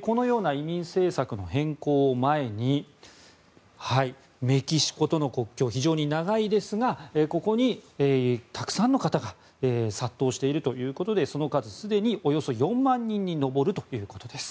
このような移民政策の変更を前にメキシコとの国境非常に長いですがここにたくさんの方が殺到しているということでその数すでにおよそ４万人に上るということです。